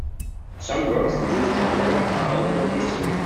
Some works in this genre are alternate history.